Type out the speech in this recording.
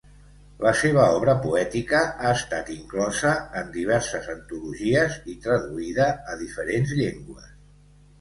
La seva obra poètica ha estat inclosa en diverses antologies i traduïda a diferents llengües.